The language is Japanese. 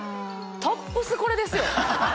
トップスこれですよ。